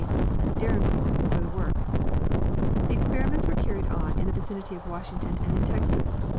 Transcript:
G. Dyrenforth for the work. The experiments were carried on in the vicinity of Washington and in Texas...